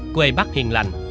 quê bắc hiền lành